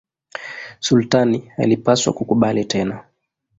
Sultani alipaswa kukubali tena.